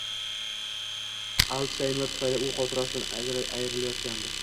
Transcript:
Altshaymer tufayli u xotirasidan ayrilayotgandi